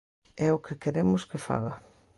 ¡É o que queremos que faga!